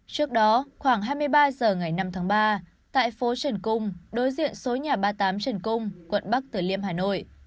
trước đó khoảng hai mươi ba h ngày năm tháng ba tại phố trần cung đối diện số nhà ba mươi tám trần cung quận bắc tử liêm hà nội